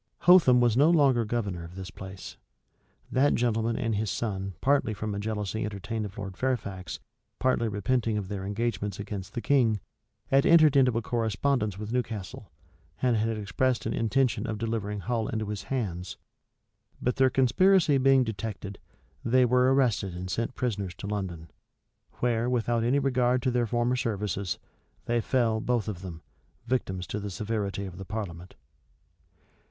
Hotham was no longer governor of this place. That gentleman and his son partly from a jealousy entertained of Lord Fairfax, partly repenting of their engagements against the king, had entered into a correspondence with Newcastle, and had expressed an intention of delivering Hull into his hands. But their conspiracy being detected, they were arrested and sent prisoners to London; where, without any regard to their former services, they fell, both of them, victims to the severity of the parliament.